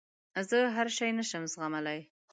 زه هر شی نه شم زغملای.